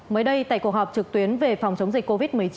mới đây tại cuộc họp trực tuyến về phòng chống dịch covid một mươi chín